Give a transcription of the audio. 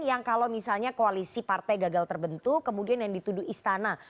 yang kalau misalnya koalisi partai gagal terbentuk kemudian yang dituduh istana